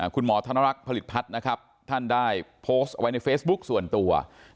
คุณหมอธนรักษ์ผลิตพัฒน์นะครับท่านได้โพสต์ไว้ในเฟซบุ๊คส่วนตัว